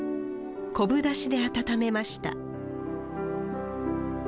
昆布だしで温めました